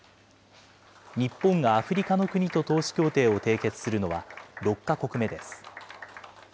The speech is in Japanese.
日本がアフリカの国と投資協定を締結するのは６か国目です。